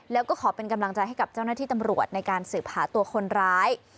แล้วก็ขอเป็นกำลังใจให้กับเจ้าหน้าที่ตำรวจในการสืบหาตัวคนร้าย